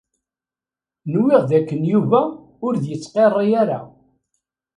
Nwiɣ dakken Yuba ur d-yettqirri ara.